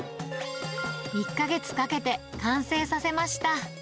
１か月かけて完成させました。